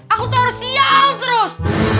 aku tau harus sial terus